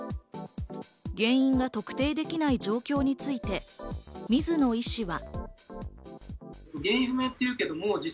原因が特定できない状況について、水野医師は。